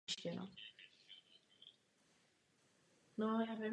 Poté z hnutí odešel a založil organizaci Maják na vrcholu.